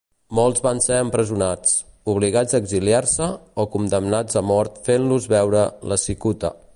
Molts van ser empresonats, obligats a exiliar-se o condemnats a mort fent-los beure la cicuta.